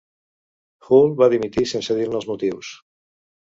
Hull va dimitir sense dir-ne els motius.